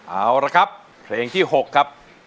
เอาละครับเพลงที่๖ครับ